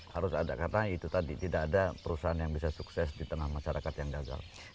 harus ada karena itu tadi tidak ada perusahaan yang bisa sukses di tengah masyarakat yang gagal